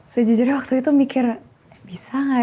sejujurnya waktu itu mikir bisa gak ya